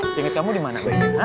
singgit kamu di mana bayinya